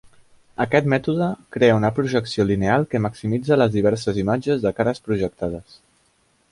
Aquest mètode crea una projecció lineal que maximitza les diverses imatges de cares projectades.